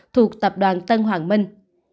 thuộc tập đoàn tân hoàng minh